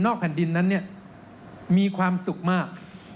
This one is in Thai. แผ่นดินนั้นเนี่ยมีความสุขมาก